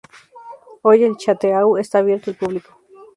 Hoy, el "château" está abierto al público.